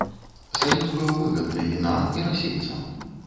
Саюз быў выгадны і нам, і расейцам.